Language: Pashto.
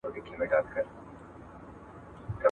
په یوه آواز راووتل له ښاره